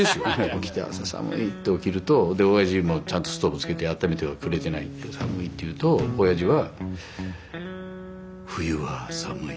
起きて朝寒いって起きるとでおやじちゃんとストーブつけてあっためてはくれてないんで寒いって言うとおやじは「冬は寒い」